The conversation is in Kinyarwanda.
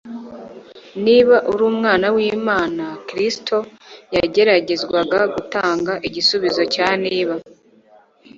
Niba uri umwana w'Imana.” Kristo yageragezwaga gutanga igisubizo cya “Niba;”